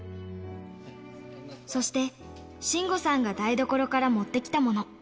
そして、信吾さんが台所から持ってきたもの。